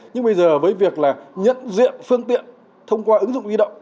nhưng bây giờ với việc là nhận diện phương tiện thông qua ứng dụng di động